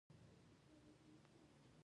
خو داسې نښې پیدا شوې چې د زوال خبرتیا وه.